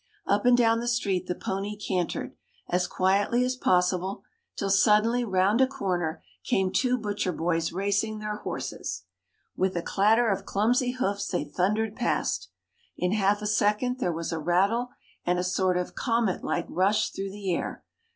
Up and down the street the pony cantered, as quietly as possible, till suddenly round a corner came two butcher boys racing their horses. With a clatter of clumsy hoofs they thundered past. In half a second there was a rattle, and a sort of comet like rush through the air.